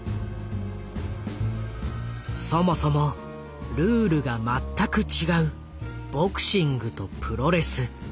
そもそもルールが全く違うボクシングとプロレス。